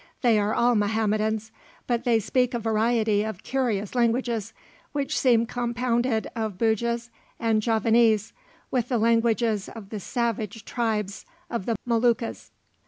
They are all Mahometans, but they speak a variety of curious languages, which seem compounded of Bugis and Javanese, with the languages of the savage tribes of the Moluccas.